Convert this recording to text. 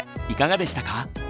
いかがでしたか？